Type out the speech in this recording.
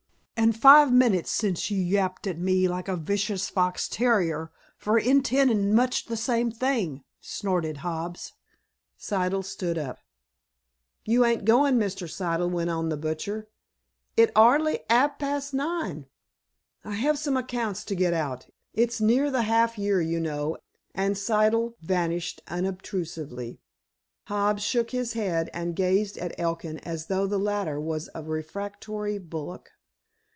"An' five minutes since you yapped at me like a vicious fox terrier for 'intin' much the same thing," chortled Hobbs. Siddle stood up. "You ain't goin', Mr. Siddle?" went on the butcher. "It's 'ardly 'arf past nine." "I have some accounts to get out. It's near the half year, you know," and Siddle vanished unobtrusively. Hobbs shook his head, and gazed at Elkin as though the latter was a refractory bullock.